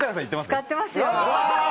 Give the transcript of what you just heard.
使ってますよ。